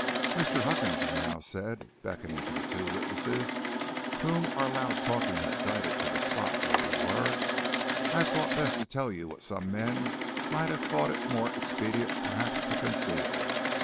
"'Mr. Huckins,' I now said, beckoning to the two witnesses whom our loud talking had guided to the spot where we were, 'I have thought best to tell you what some men might have thought it more expedient perhaps to conceal.